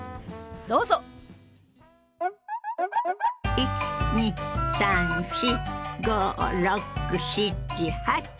１２３４５６７８。